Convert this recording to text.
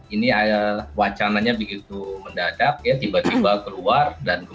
ini wacananya begitu mendadak ya tiba tiba keluar